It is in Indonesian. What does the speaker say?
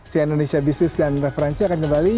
si indonesia business dan referensi akan kembali